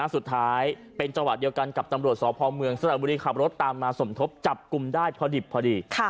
สุดท้ายเป็นจังหวะเดียวกันกับตำรวจสพเมืองสระบุรีขับรถตามมาสมทบจับกลุ่มได้พอดิบพอดี